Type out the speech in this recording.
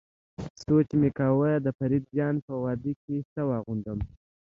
سوچ مې کاوه د فريد جان په واده کې څه واغوندم.